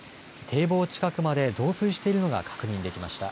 堤防近くまで増水しているのが確認できました。